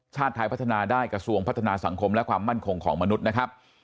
ชาติไทยพัฒนาได้กระทรวงพัฒนาสังคมและความมั่นคงของมนุษย์นะครับ